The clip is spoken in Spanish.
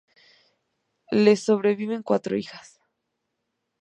Le sobreviven cuatro hijas.